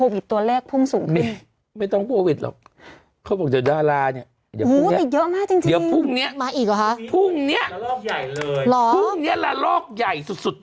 วันนี้ล่ารอบใหญ่สุด